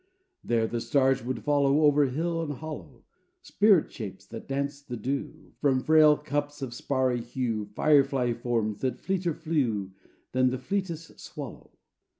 There the stars would follow, Over hill and hollow, Spirit shapes that danced the dew From frail cups of sparry hue; Firefly forms that fleeter flew Than the fleetest swallow.